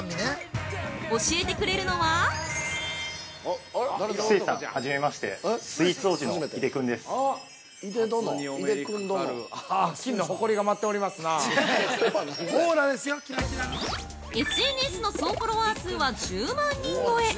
教えてくれるのは◆ＳＮＳの総フォロワー数は１０万人超え。